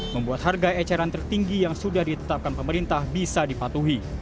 membuat harga eceran tertinggi yang sudah ditetapkan pemerintah bisa dipatuhi